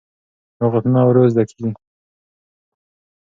لغتونه ورو زده کېږي.